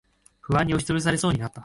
不安に押しつぶされそうになった。